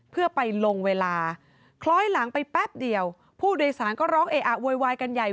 เพื่อไปลงเวลาคล้อยหลังไปแป๊บเดียวผู้โดยสารก็ร้องเออะโวยวายกันใหญ่